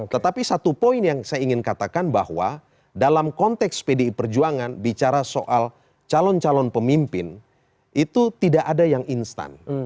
tetapi satu poin yang saya ingin katakan bahwa dalam konteks pdi perjuangan bicara soal calon calon pemimpin itu tidak ada yang instan